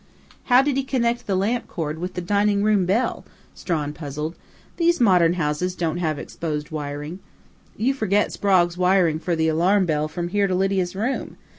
"How did he connect the lamp cord with the dining room bell?" Strawn puzzled. "These modern houses don't have exposed wiring " "You forget Sprague's wiring for the alarm bell from here to Lydia's room!"